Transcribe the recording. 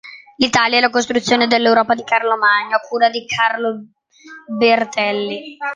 L'Italia e la costruzione dell'Europa di Carlo Magno" a cura di Carlo Bertelli.